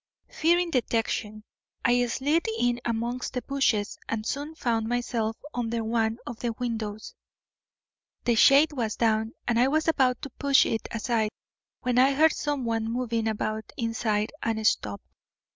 Fearing detection, I slid in amongst the bushes and soon found myself under one of the windows. The shade was down and I was about to push it aside when I heard someone moving about inside and stopped.